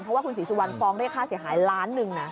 เพราะว่าคุณศิสิวัณภองด้วยค่าเสียหายล้านหนึ่ง